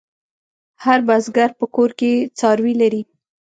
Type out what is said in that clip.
هر بزگر په کور کې څاروي لري.